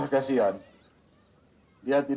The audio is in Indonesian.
enggak tahu di harmonic